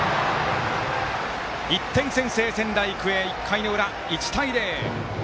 １点先制、仙台育英１回の裏、１対０！